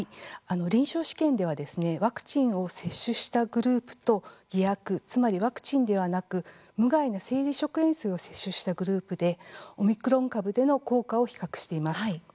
臨床試験ではワクチンを接種したグループと偽薬、つまりワクチンではなく無害な生理食塩水を接種したグループでオミクロン株での効果を比較しています。